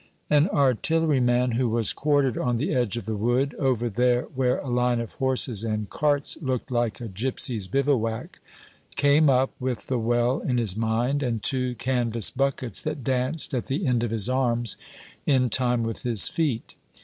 An artilleryman who was quartered on the edge of the wood over there where a line of horses and carts looked like a gypsies' bivouac came up, with the well in his mind, and two canvas buckets that danced at the end of his arms in time with his feet.